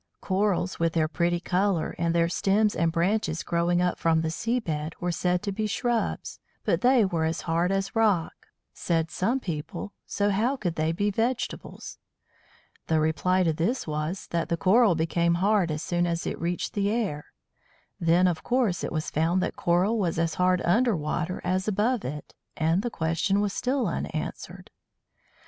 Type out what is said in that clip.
Corals, with their pretty colour, and their stems and branches growing up from the sea bed, were said to be shrubs, but they were as hard as rock, said some people, so how could they be vegetables? The reply to this was, that the Coral became hard as soon as it reached the air. Then, of course, it was found that Coral was as hard under water as above it, and the question was still unanswered.